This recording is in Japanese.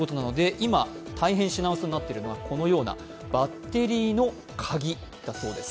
今、大変、品薄になっているのは、このようなバッテリーの鍵だそうです。